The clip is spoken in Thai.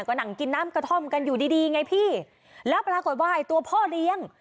ก็นั่งกินน้ำกระท่อมกันอยู่ดีดีไงพี่แล้วปรากฏว่าตัวพ่อเลี้ยง